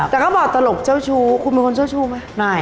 แต่เขาบอกตลกเจ้าชู้คุณเป็นคนเจ้าชู้ไหม